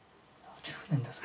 １０年ですか。